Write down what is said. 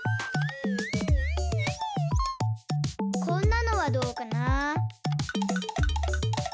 こんなのはどうかな？